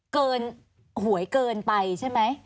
เกินหวยเกินไปใช่ไหม